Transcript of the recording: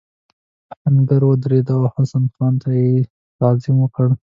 آهنګر ودرېد او حسن خان ته یې تعظیم وکړ.